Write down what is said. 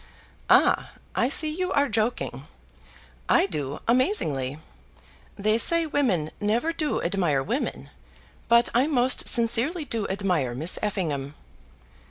"Ah, I see you are joking. I do amazingly. They say women never do admire women, but I most sincerely do admire Miss Effingham."